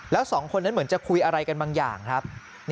แล้วสองคนนั้นเหมือนจะคุยอะไรกันบางอย่างครับ